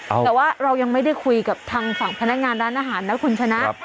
แต่ว่าเรายังไม่ได้คุยกับทางฝั่งพนักงานร้านอาหารนะคุณชนะ